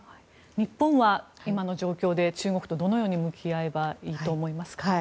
日本は今の状況で中国とどのように向き合えばいいと思いますか？